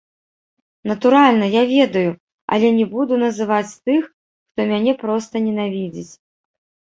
Натуральна, я ведаю, але не буду называць тых, хто мяне проста ненавідзіць.